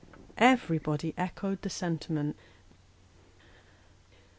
Everybody echoed the sentiment.